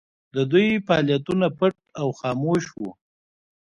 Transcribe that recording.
د دوی فعالیتونه پټ او خاموشه وو.